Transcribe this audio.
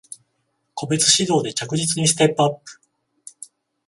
個別指導で着実にステップアップ